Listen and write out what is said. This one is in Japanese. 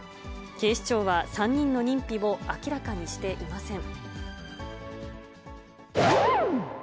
警視庁は、３人の認否を明らかにしていません。